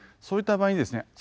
そういった場合にですね